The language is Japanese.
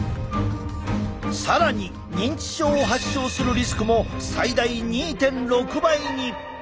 更に認知症を発症するリスクも最大２．６倍に！